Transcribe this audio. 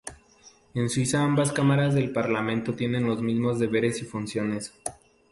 En Suiza ambas cámaras del parlamento tienen los mismos deberes y funciones.